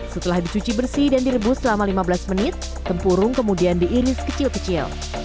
setelah dicuci bersih dan direbus selama lima belas menit tempurung kemudian diiris kecil kecil